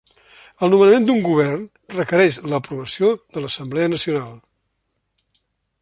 El nomenament d'un govern requereix l'aprovació de l'Assemblea Nacional.